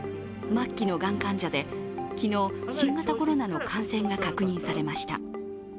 末期のがん患者で昨日、新型コロナの感染が確認されました。